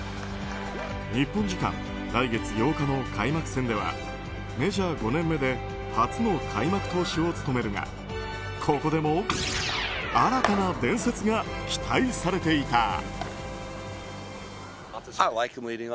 日本時間、来月８日の開幕戦ではメジャー５年目で初の開幕投手を務めるがここでも新たな伝説が期待されていた。